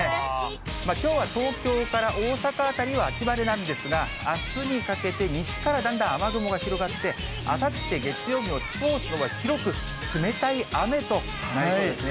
きょうは東京から大阪辺りは秋晴れなんですが、あすにかけて、西からだんだん雨雲が広がって、あさって月曜日のスポーツの日は広く冷たい雨となりそうですね。